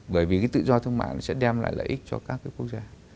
bởi vì cái tự do thương mại nó sẽ đem lại lợi ích cho các cái quốc gia